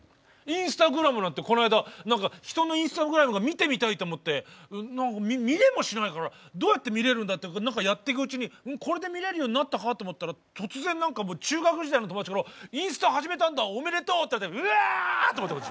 インスタグラムなんてこないだ何か人のインスタグラムが見てみたいと思って見れもしないからどうやって見れるんだって何かやってくうちにこれで見れるようになったかと思ったら突然何かもう中学時代の友達から「インスタ始めたんだおめでとう」って言われてうわって思って私。